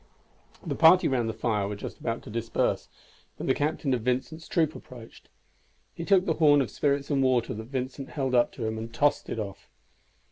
The party round the fire were just about to disperse when the captain of Vincent's troop approached. He took the horn of spirits and water that Vincent held up to him and tossed it off.